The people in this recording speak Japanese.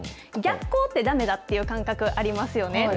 逆光ってだめだっていう感覚ありますよね？